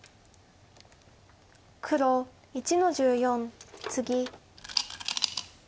黒１の十四ツギ。